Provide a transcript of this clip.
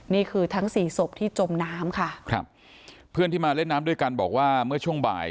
นี่คือทั้งสี่ศพที่จมน้ำค่ะครับเพื่อนที่มาเล่นน้ำด้วยกันบอกว่าเมื่อช่วงบ่าย